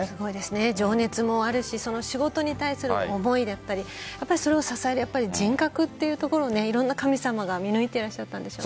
情熱もあるし仕事に対する思いだったりそれを支える人格というところいろんな神様が見抜いていらっしゃったんでしょうね。